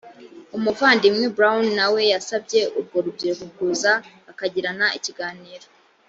umuvandimwe brown na we yasabye urwo rubyiruko kuza bakagirana ikiganiro